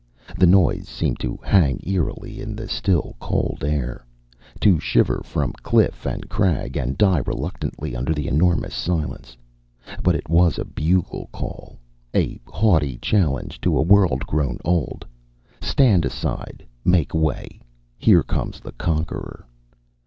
The noise seemed to hang eerily in the still, cold air; to shiver from cliff and crag and die reluctantly under the enormous silence. But it was a bugle call, a haughty challenge to a world grown old stand aside, make way, here comes the conqueror!